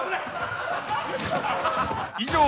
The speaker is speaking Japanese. ［以上］